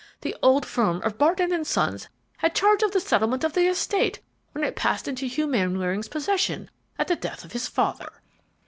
The old firm of Barton & Sons had charge of the settlement of the estate when it passed into Hugh Mainwaring's possession at the death of his father."